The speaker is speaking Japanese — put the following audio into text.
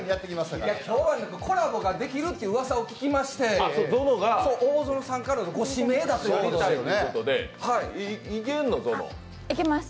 今日はコラボができるってうわさを聞きまして大園さんからのご指名だということで。